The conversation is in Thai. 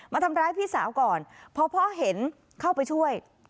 มาทำร้ายพี่สาวก่อนพอพ่อเห็นเข้าไปช่วย